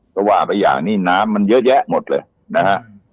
ก็ว่าไปอย่างนี้น้ำมันเยอะแยะหมดเลยนะฮะ